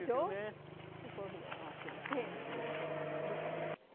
でこういうふうに合わせてはい。